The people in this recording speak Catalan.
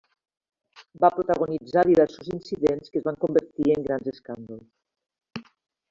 Va protagonitzar diversos incidents que es van convertir en grans escàndols.